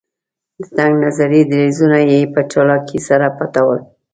د تنګ نظري دریځونه یې په چالاکۍ سره پټول.